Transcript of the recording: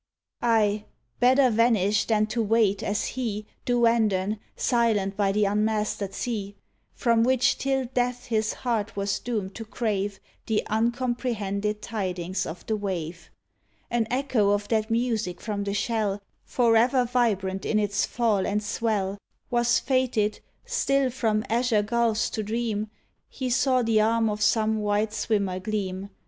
Aye! better vanished, than to wait, as he, 19 DUANDON Duandon, silent by the unmastered sea, From which, till death, his heart was doomed to crave The uncomprehended tidings of the wave — An echo of that music from the shell Forever vibrant in its fall and swell — Was fated, still, from azure gulfs to dream He saw the arm of some white swimmer gleam.